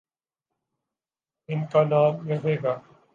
ان کانام رہے گا۔